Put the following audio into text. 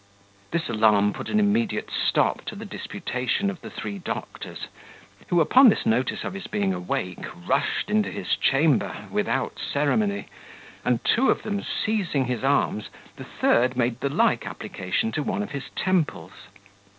This alarm put an immediate stop to the disputation of the three doctors, who, upon this notice of his being awake, rushed into his chamber, without ceremony; and two of them seizing his arms, the third made the like application to one of his temples.